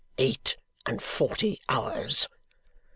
Eight and forty hours!